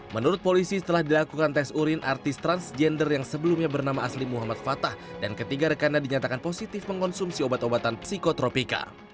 menurut polisi setelah dilakukan tes urin artis transgender yang sebelumnya bernama asli muhammad fatah dan ketiga rekannya dinyatakan positif mengonsumsi obat obatan psikotropika